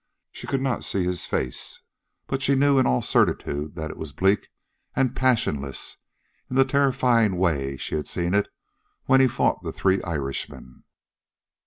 She could not see his face, but she knew in all certitude that it was bleak and passionless in the terrifying way she had seen it when he fought the three Irishmen.